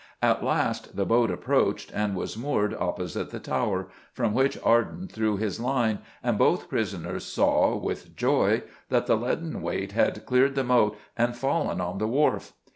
At last the boat approached, and was moored opposite the tower, from which Arden threw his line, and both prisoners saw, with joy, that the leaden weight had cleared the moat and fallen on the Wharf.